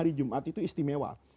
hari jumat itu istimewa